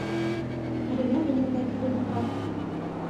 Әлегә минең дә бер киленем бар.